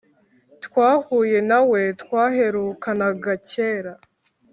twahuye nawe twaherukanaga cyera